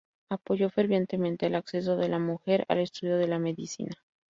Apoyó fervientemente el acceso de la mujer al estudio de la medicina.